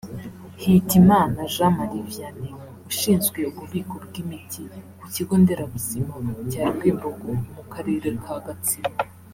Hitimana Jean Marie Vianney ushinzwe ububiko bw’imiti ku kigo nderabuzima cya Rwimbogo mu karere ka Gatsibo